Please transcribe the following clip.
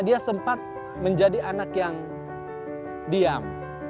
dia sempat menjadi anak yang diam